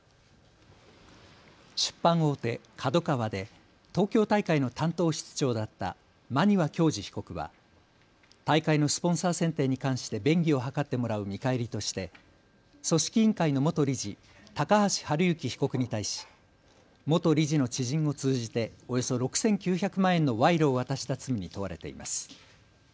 出版大手、ＫＡＤＯＫＡＷＡで東京大会の担当室長だった馬庭教二被告は大会のスポンサー選定に関して便宜を図ってもらう見返りとして組織委員会の元理事、高橋治之被告に対し元理事の知人を通じておよそ６９００万円の賄賂を渡した罪に問われています。